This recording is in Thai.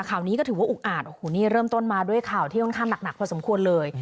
ข่าวนี้ก็ถือว่าอุกอาจโอ้โหนี่เริ่มต้นมาด้วยข่าวที่ค่อนข้างหนักพอสมควรเลย